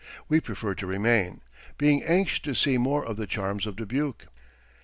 We preferred to remain, being anxious to see more of the charms of Dubuque.